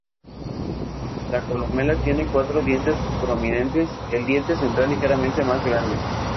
La columela tiene cuatro dientes prominentes, el diente central ligeramente más grande.